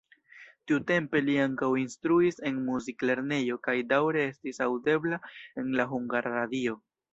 Tiutempe li ankaŭ instruis en muziklernejo kaj daŭre estis aŭdebla en la Hungara Radio.